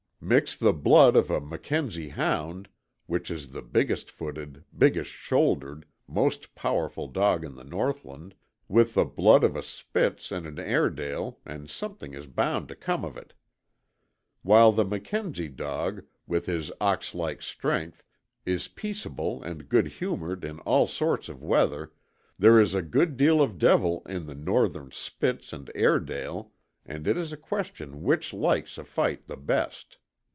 Mix the blood of a Mackenzie hound which is the biggest footed, biggest shouldered, most powerful dog in the northland with the blood of a Spitz and an Airedale and something is bound to come of it. While the Mackenzie dog, with his ox like strength, is peaceable and good humoured in all sorts of weather, there is a good deal of the devil in the northern Spitz and Airedale and it is a question which likes a fight the best.